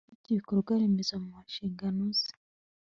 minisitiri ufite ibikorwa remezo mu nshingano ze